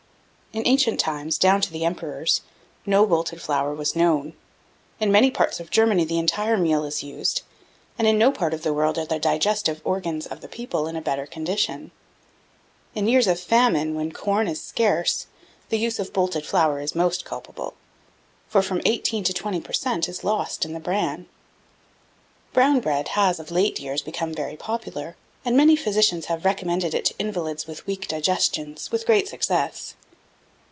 In ancient times, down to the Emperors, no bolted flour was known. In many parts of Germany the entire meal is used; and in no part of the world are the digestive organs of the people in a better condition. In years of famine, when corn is scarce, the use of bolted flour is most culpable, for from 18 to 20 per cent, is lost in bran. Brown bread has, of late years, become very popular; and many physicians have recommended it to invalids with weak digestions with great success.